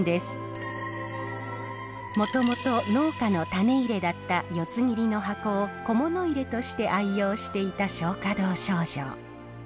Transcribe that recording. もともと農家の種入れだった四つ切の箱を小物入れとして愛用していた松花堂昭乗。